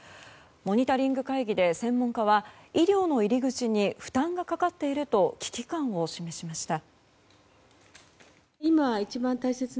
モニタリング会議で、専門家は医療の入り口に負担がかかっていると危機感を示しました。